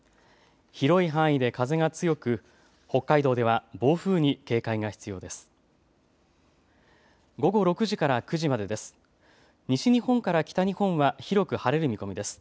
広い範囲で風が強く北海道では暴風に警戒が必要です。